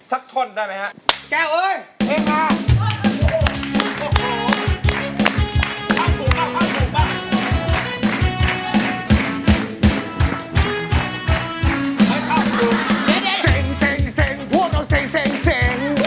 เซ็งเซ็งเซ็งพวกเราเซ็งเซ็งเซ็ง